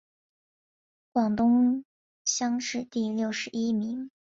广东乡试第六十一名。